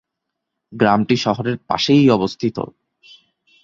গ্রামটি শহরের পাশেই অবস্থিত।